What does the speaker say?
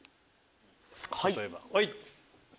はい！